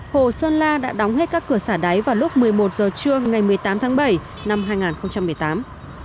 hồ sơn la đã đóng hết các cửa xả đáy vào lúc một mươi một h trưa ngày một mươi tám tháng bảy năm hai nghìn một mươi tám